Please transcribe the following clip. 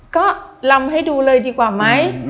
ก็ลำให้ดูเลยดีกว่าไหม